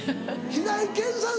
平井堅さん